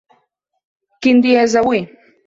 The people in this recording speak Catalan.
Quin dia és avui?